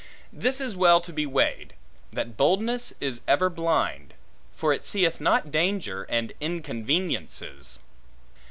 This is well to be weighed; that boldness is ever blind; for it seeth not danger, and inconveniences.